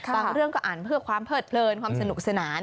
เรื่องก็อ่านเพื่อความเลิดเพลินความสนุกสนาน